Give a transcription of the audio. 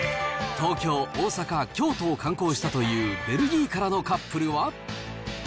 東京、大阪、京都を観光したというベルギーからのカップルは。